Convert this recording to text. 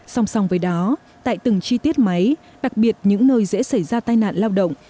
song song với đó tại từng chi tiết máy đặc biệt những nơi dễ xảy ra tai nạn lao động